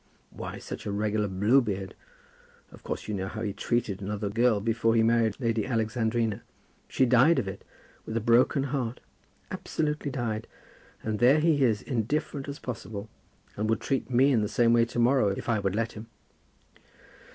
"Why, such a regular Bluebeard! Of course you know how he treated another girl before he married Lady Alexandrina. She died of it, with a broken heart; absolutely died; and there he is, indifferent as possible; and would treat me in the same way to morrow if I would let him."